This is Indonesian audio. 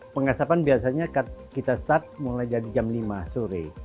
pengasapan biasanya kita start mulai dari jam lima sore